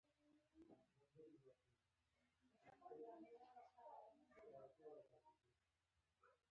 د روغ زړګي نه پکې تللې افسانې رانیسم